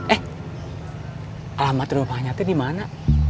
eh alamat rumahnya itu dimana